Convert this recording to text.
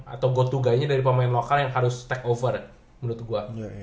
atau gotu gayanya dari pemain lokal yang harus take over menurut gue